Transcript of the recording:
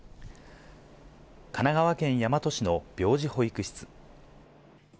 神奈川県大和市の病児保育室。